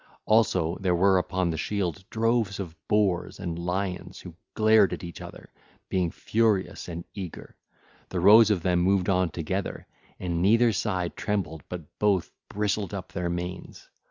(ll. 168 177) Also there were upon the shield droves of boars and lions who glared at each other, being furious and eager: the rows of them moved on together, and neither side trembled but both bristled up their manes.